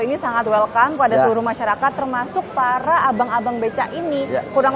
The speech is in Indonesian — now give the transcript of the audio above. ini sangat welcome pada seluruh masyarakat termasuk para abang abang becak ini kurang